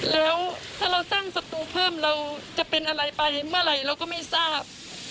แล้วถ้าเราสร้างศัตรูเพิ่มเราจะเป็นอะไรไปเมื่อไหร่เราก็ไม่ทราบ